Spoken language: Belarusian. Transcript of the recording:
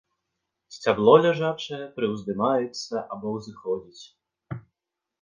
Сцябло ляжачае, прыўздымаецца або ўзыходзіць.